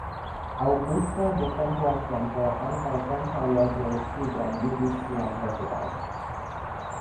Aŭgusto de tempo al tempo ankaŭ kontraŭleĝe pligrandigis sian posedaĵojn.